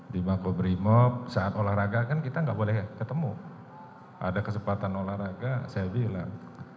di makobrimob saat olahraga kan kita nggak boleh ketemu ada kesempatan olahraga saya bilang